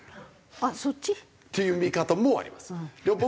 あっそっち？っていう見方もあります。